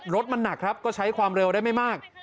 รถมันหนักครับก็ใช้ความเร็วได้ไม่มาก